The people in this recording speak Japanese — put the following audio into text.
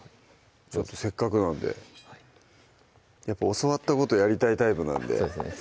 せっかくなんで教わったことやりたいタイプなんでそうですね